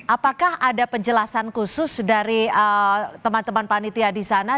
apakah ada penjelasan khusus dari teman teman panitia di sana